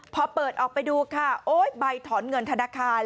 พอเปิดออกไปดูใบถอนเงินธนาคาร